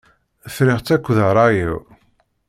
Friɣ-tt akked rray-iw.